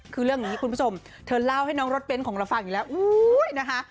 คือเรื่องนี้คุณผู้ชมเธอเล่าให้น้องรถเป็นของละฝั่งอยู่แล้ว